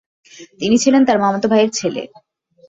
তিনি ছিলেন তার মামাতো ভাইয়ের ছেলে।